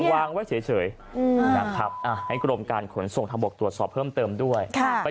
วางไว้เฉยนะครับให้กรมการขนส่งทางบกตรวจสอบเพิ่มเติมด้วย